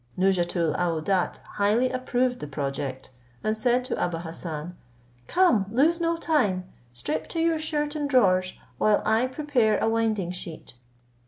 Nouzhatoul aouadat highly approved the project, and said to Abou Hassan, "Come, lose no time; strip to your shirt and drawers, while I prepare a winding sheet.